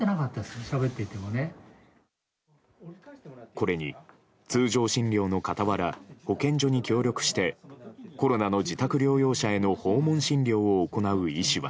これに通常診療の傍ら保健所に協力してコロナの自宅療養者への訪問診療を行う医師は。